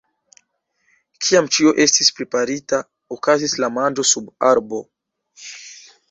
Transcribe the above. Kiam ĉio estis preparita, okazis la manĝo sub arbo.